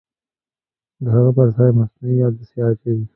د هغه پرځای مصنوعي عدسیه اچوي.